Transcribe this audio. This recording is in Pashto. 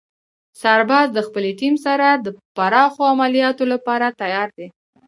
سرباز د خپلې ټیم سره د پراخو عملیاتو لپاره تیار دی.